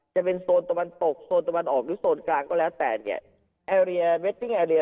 จะเป็นโซนตะวันตกโซนตะวันออกหรือโซนกลางก็แล้วแต่เนี้ย